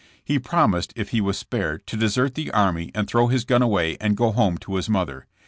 He promised, if he was spared, to desert the army and throw his gun away and go home to his mother.